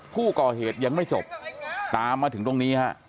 ผู้ก่อเหตุยังไม่จบตามมาถึงตรงนี้ฮะ